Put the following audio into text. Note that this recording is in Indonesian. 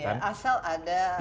asal ada infrastruktur